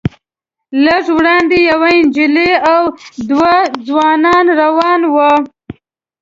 لږ وړاندې یوه نجلۍ او دوه ځوانان روان وو.